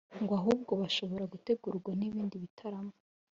ngo ahubwo hashobora gutegurwa n’ibindi bitaramo